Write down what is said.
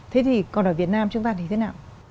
thế thì còn ở việt nam chúng ta thì thế nào